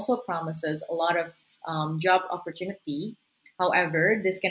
karena sektor ini juga memungkinkan